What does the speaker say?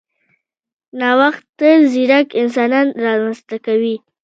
نوښت تل ځیرک انسانان رامنځته کوي.